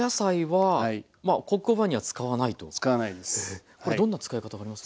使わないです。